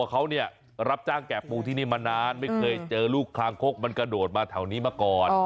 เขาเนี่ยรับจ้างแก่ปูที่นี่มานานไม่เคยเจอลูกคางคกมันกระโดดมาแถวนี้มาก่อน